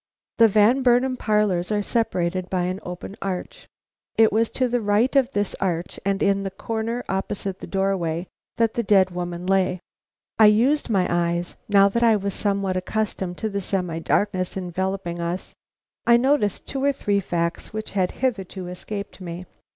The Van Burnam parlors are separated by an open arch. It was to the right of this arch and in the corner opposite the doorway that the dead woman lay. Using my eyes, now that I was somewhat accustomed to the semi darkness enveloping us, I noticed two or three facts which had hitherto escaped me.